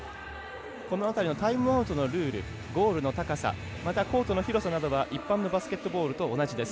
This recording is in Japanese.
このあたりのタイムアウトのルールゴールの高さコートの広さは一般のバスケットボールと同じです。